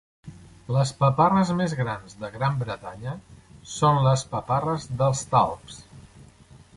Les paparres més grans de Gran Bretanya són les paparres dels talps.